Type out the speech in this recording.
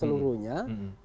dan lembaga lainnya juga